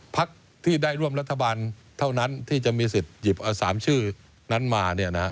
พักที่ได้ร่วมรัฐบาลเท่านั้นที่จะมีสิทธิ์หยิบ๓ชื่อนั้นมา